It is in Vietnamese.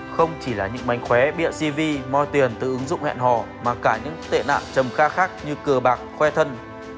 không chỉ là những mánh khóe bịa cv moi tiền từ ứng dụng hẹn hò mà cả những tệ nạn trầm kha khác như cờ bạc khoe thân